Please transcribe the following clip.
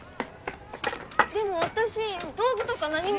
でも私道具とかなにも。